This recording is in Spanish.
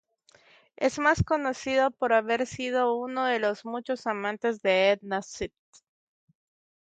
Es más conocido por haber sido uno de los muchos amantes de Edna St.